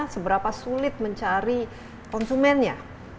seberapa sulit mencari konsumennya